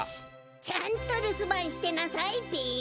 ちゃんとるすばんしてなさいべ。